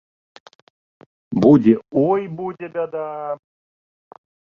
Будзе, ой, будзе бяда!